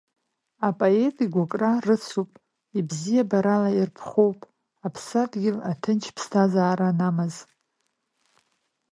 Апоет игәыкра рыцуп, ибзиабарала ирԥхоуп, аԥсадгьыл аҭынч ԥсҭазаара анамаз.